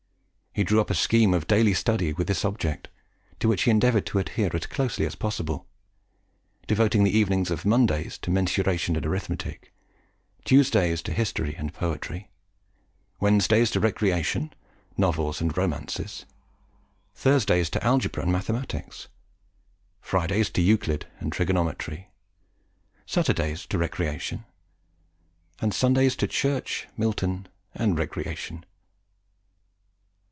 He drew up a scheme of daily study with this object, to which he endeavoured to adhere as closely as possible, devoting the evenings of Mondays to mensuration and arithmetic; Tuesdays to history and poetry; Wednesdays to recreation, novels, and romances; Thursdays to algebra and mathematics; Fridays to Euclid and trigonometry; Saturdays to recreation; and Sundays to church, Milton, and recreation.